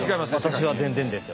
私は全然ですよ。